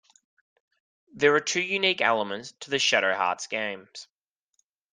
There are two unique elements to the "Shadow Hearts" games.